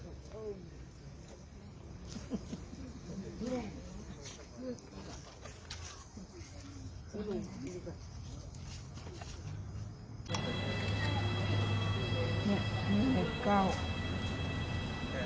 อ้าวเฉ่าเฉ่ามันถึงเป็นของแขก